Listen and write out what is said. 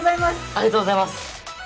ありがとうございます！